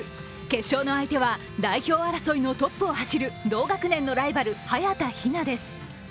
決勝の相手は代表争いのトップを走る同学年のライバル、早田ひなです。